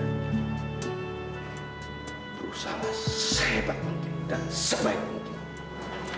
berusaha sehebat mungkin dan sebaik mungkin